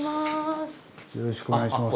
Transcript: よろしくお願いします。